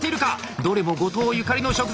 どれも五島ゆかりの食材。